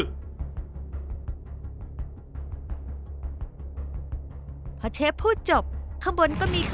ข้างในอาจจะมีวัวหรืออะไรสักอย่างก็เป็นได้ครับ